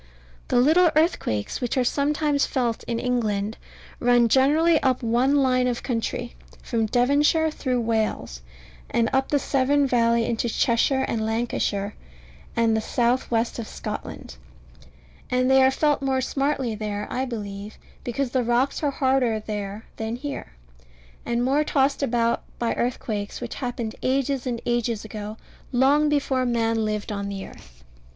The little earthquakes which are sometimes felt in England run generally up one line of country, from Devonshire through Wales, and up the Severn valley into Cheshire and Lancashire, and the south west of Scotland; and they are felt more smartly there, I believe, because the rocks are harder there than here, and more tossed about by earthquakes which happened ages and ages ago, long before man lived on the earth.